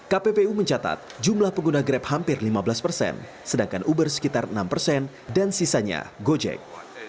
kppu mencatat jumlah pengguna grab hampir lima belas persen sedangkan uber sekitar enam persen dan sisanya gojek